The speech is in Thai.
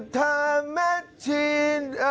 ถามชีน